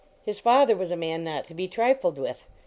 His father was a man not to be trilled with.